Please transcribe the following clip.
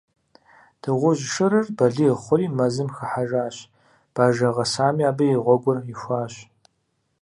Дыгъужь шырыр балигъ хъури, мэзым хыхьэжащ, бажэ гъэсами абы и гъуэгур ихуащ.